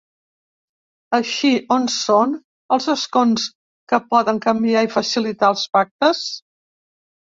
Així, on són els escons que poden canviar i facilitar els pactes?